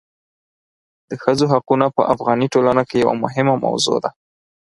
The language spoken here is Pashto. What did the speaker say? د ښځو حقونه په افغاني ټولنه کې یوه مهمه موضوع ده.